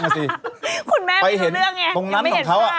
ก้นแม่ไม่ดูเรื่องเนี่ยก็ไม่เห็นการภาพ